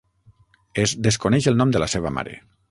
Es desconeix el nom de la seva mare.